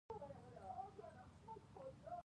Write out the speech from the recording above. د فراه په بخش اباد کې د څه شي نښې دي؟